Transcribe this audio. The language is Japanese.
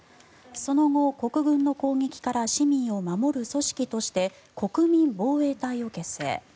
その後、国軍の攻撃から市民を守る組織として国民防衛隊を結成。